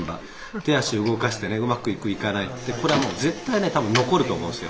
手足動かしてねうまくいくいかないってこれはもう絶対ね多分残ると思うんですよ。